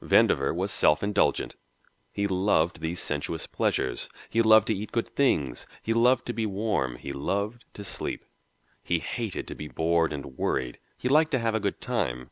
Vandover was self indulgent he loved these sensuous pleasures, he loved to eat good things, he loved to be warm, he loved to sleep. He hated to be bored and worried he liked to have a good time.